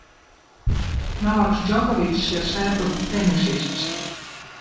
Novaks Džokovičs ir serbu tenisists.